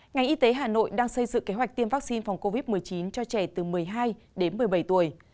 ngành y tế hà nội đang xây dựng kế hoạch tiêm vaccine phòng covid một mươi chín cho trẻ từ một mươi hai đến một mươi bảy tuổi